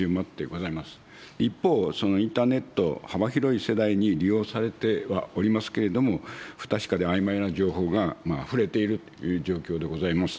一方、そのインターネット、幅広い世代に利用されてはおりますけれども、不確かであいまいな情報があふれているという状況でございます。